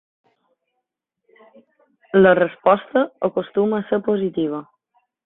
La resposta acostuma a ser positiva.